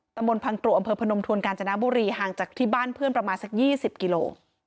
ตำบลพังตรุอำเภอพนมทวนกาญจนบุรีห่างจากที่บ้านเพื่อนประมาณสัก๒๐กิโล